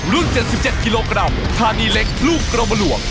๗๗กิโลกรัมธานีเล็กลูกกรมหลวง